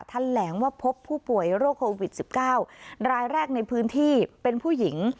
แถลงว่าพบผู้ป่วยโรคโควิด๑๙รายแรกในพื้นที่เป็นผู้หญิง